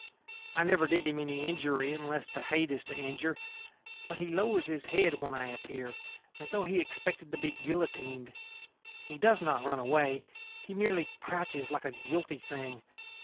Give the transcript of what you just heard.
I never did him any injury unless to hate is to injure. But he lowers his head when I appear as though he expected to be guillotined. He does not run away: he merely crouches like a guilty thing.